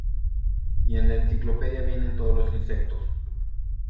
y en la enciclopedia vienen todos los insectos.